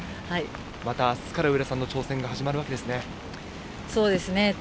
また明日から上田さんの挑戦が始まるわけですね。